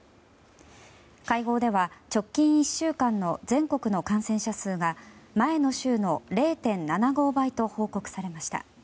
会合では直近１週間の全国の感染者数が前の週の０．７５倍と報告されました。